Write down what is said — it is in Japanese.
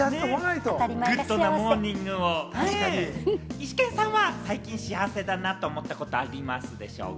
イシケンさんは最近幸せだなと思ったことはありますでしょうか？